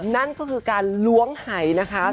นั่นก็คือการล้วงไห่นะคะ